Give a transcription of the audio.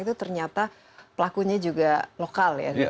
itu ternyata pelakunya juga lokal ya